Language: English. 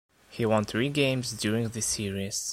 He won three games during the series.